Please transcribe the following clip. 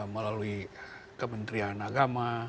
melalui kementerian agama